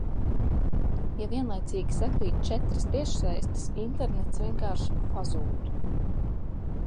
Ja vienlaicīgi sakrīt četras tiešsaistes, internets vienkārši pazūd...